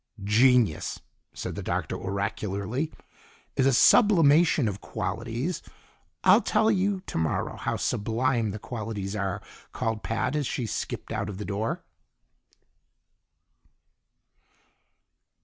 "Genius," said the Doctor oracularly, "is a sublimation of qualities " "I'll tell you tomorrow how sublime the qualities are," called Pat as she skipped out of the door.